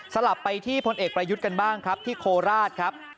ลับไปที่พลเอกประยุทธ์กันบ้างครับที่โคราชครับ